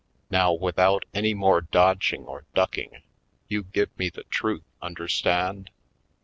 Now, without any more dodging or ducking you give me the truth, understand?